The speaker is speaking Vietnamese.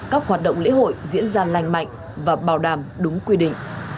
các hoạt động lễ hội diễn ra lành mạnh và bảo đảm đúng quy định